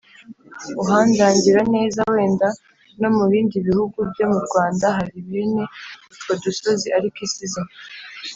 uhandangira neza. wenda no mu bindi bihugu byo mu rwanda hari bene utwo dusozi. ariko se izina